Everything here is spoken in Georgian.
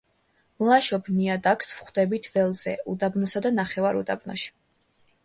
მლაშობ ნიადაგს ვხვდებით ველზე, უდაბნოსა და ნახევრად უდაბნოში.